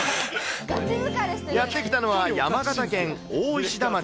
やって来たのは山形県大石田町。